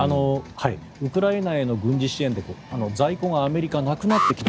ウクライナへの軍事支援で在庫がアメリカはなくなってきた。